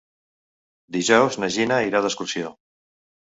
Dijous na Gina irà d'excursió.